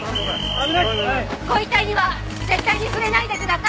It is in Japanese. ご遺体には絶対に触れないでください！